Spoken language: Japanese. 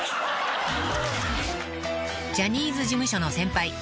［ジャニーズ事務所の先輩